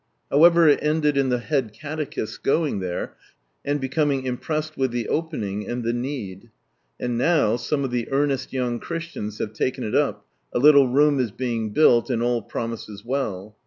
However, it ended in the head catechisl's going there, and becoming impressed with the opening, and the need. And now some of llie earnest young Christians have taken it up, a little room is being built, and all promises well.